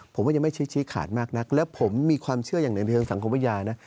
ผมว่ายังไม่ชี้ขาดมากนักและผมมีความเชื่ออย่างหนึ่งในเชิงสังคมวิทยานะ